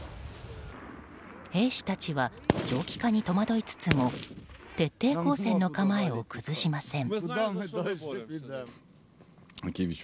兵士たちは長期化に戸惑いつつも徹底抗戦の構えを崩しません。